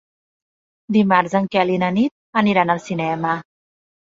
Dimarts en Quel i na Nit aniran al cinema.